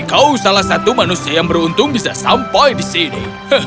kau salah satu manusia yang beruntung bisa sampai di sini